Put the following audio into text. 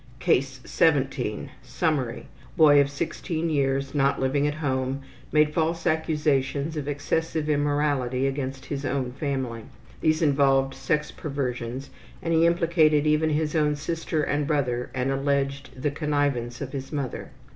CASE 17 Summary: Boy of 16 years, not living at home, made false accusations of excessive immorality against his own family. These involved sex perversions, and he implicated even his own sister and brother, and alleged the connivance of his mother.